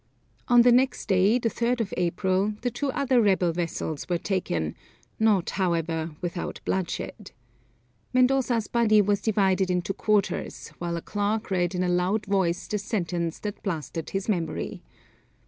On the next day, the 3rd of April, the two other rebel vessels were taken, not however without bloodshed. Mendoza's body was divided into quarters, while a clerk read in a loud voice the sentence that blasted his memory.